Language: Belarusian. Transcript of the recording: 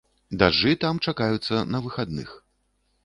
Дажджы там чакаюцца на выхадных.